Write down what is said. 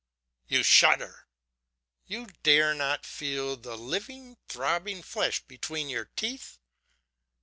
You shudder! you dare not feel the living throbbing flesh between your teeth?